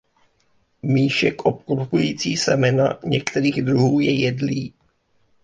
Míšek obklopující semena některých druhů je jedlý.